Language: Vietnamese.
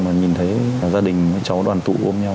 mà nhìn thấy gia đình với cháu đoàn tụ ôm nhau